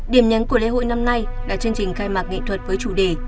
điểm nhấn của lễ hội năm nay là chương trình khai mạc nghệ thuật với chủ đề